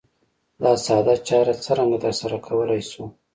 دا ساده چاره څرنګه ترسره کولای شو؟